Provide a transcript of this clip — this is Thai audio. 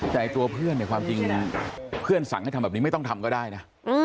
แต่ตัวเพื่อนเนี่ยความจริงเพื่อนสั่งให้ทำแบบนี้ไม่ต้องทำก็ได้นะ